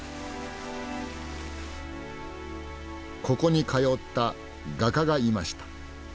ここに通った画家がいました。